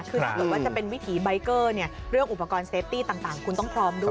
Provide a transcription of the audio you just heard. คือถ้าเกิดว่าจะเป็นวิถีใบเกอร์เนี่ยเรื่องอุปกรณ์เซฟตี้ต่างคุณต้องพร้อมด้วย